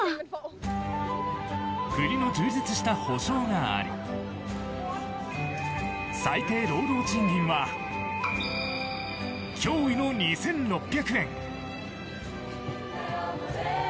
国の充実した保障があり最低労働賃金は驚異の２６００円。